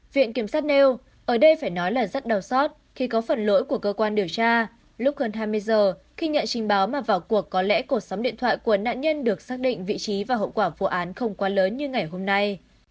viện kiểm sát nêu ở đây phải nói là rất đau xót khi có phần lỗi của cơ quan điều tra lúc gần hai mươi giờ khi nhận trình báo mà vào cuộc có lẽ cuộc sống điện thoại của nạn nhân được xác định vị trí và hậu quả vụ án không quá lớn như ngày hôm nay